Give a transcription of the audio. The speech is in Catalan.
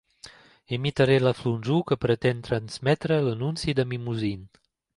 Imitaré la flonjor que pretén transmetre l'anunci de Mimosín.